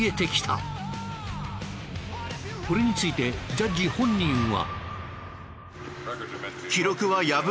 これについてジャッジ本人は。